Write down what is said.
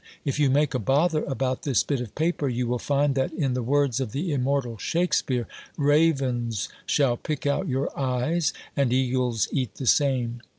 If you make a bother about this bit of paper, you will find that, in the words of the immortal Shakespeare, "Ravens shall pick out your eyes and eagles eat the same."